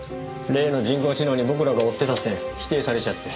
例の人工知能に僕らが追ってた線否定されちゃって。